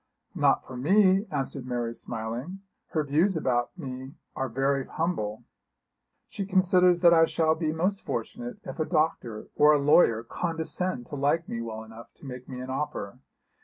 'Not for me,' answered Mary smiling. 'Her views about me are very humble. She considers that I shall be most fortunate if a doctor or a lawyer condescend to like me well enough to make me an offer.